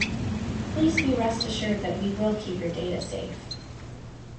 Please be rest assured that we will keep your data safe.